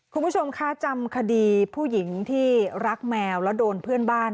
คุณผู้ชมคะจำคดีผู้หญิงที่รักแมวแล้วโดนเพื่อนบ้าน